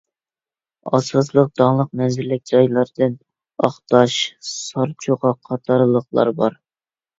ئاساسلىق داڭلىق مەنزىرىلىك جايلىرىدىن ئاقتاش، سارچوقا قاتارلىقلار بار.